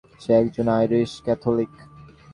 সে একজন Irish Catholic.